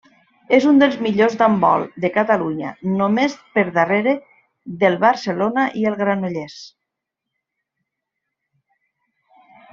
És un dels millors d'handbol de Catalunya, només per darrere del Barcelona i el Granollers.